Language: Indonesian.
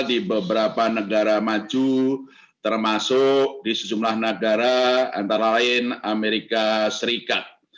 di beberapa negara maju termasuk di sejumlah negara antara lain amerika serikat